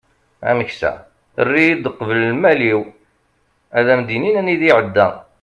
ameksa err-iyi-d qbel lmal-iw ad am-d-inin anida iεedda